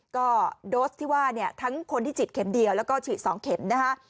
ก็โดสที่ว่าเนี่ยทั้งคนที่ฉีดเข็มเดียวแล้วก็ฉีด๒เข็มนะคะ